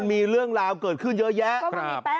มีเรื่องราวเกิดขึ้นเยอะแยะ